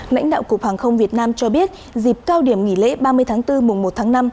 lãnh đạo cục hàng không việt nam cho biết dịp cao điểm nghỉ lễ ba mươi tháng bốn mùa một tháng năm